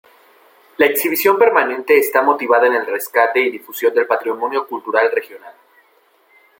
La exhibición permanente está motivada en el rescate y difusión del patrimonio cultural regional.